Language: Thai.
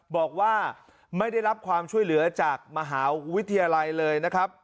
บอกว่าไม่ได้รับความช่วยเหลือจากมหาวิทยาลัยเลยนะครับ